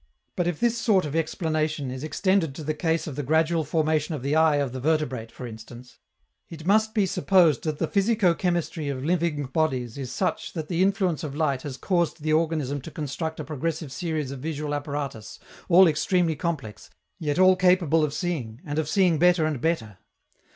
But if this sort of explanation is extended to the case of the gradual formation of the eye of the vertebrate, for instance, it must be supposed that the physico chemistry of living bodies is such that the influence of light has caused the organism to construct a progressive series of visual apparatus, all extremely complex, yet all capable of seeing, and of seeing better and better.